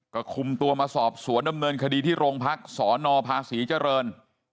ก็คุมตัวมาสอบสวนดำเนินคดีที่โรงพักษนภาษีเจริญ